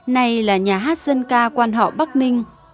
nay là nhà hát dân ca quan họ bắc ninh